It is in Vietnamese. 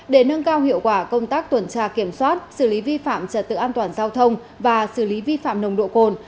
để nâng cao hiệu quả công tác tuần tra kiểm soát xử lý vi phạm trật tự an toàn giao thông và xử lý vi phạm nồng độ cồn